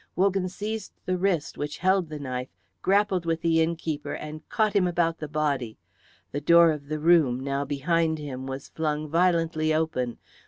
Wogan seized the wrist which held the knife, grappled with the innkeeper, and caught him about the body. The door of the room, now behind him, was flung violently open.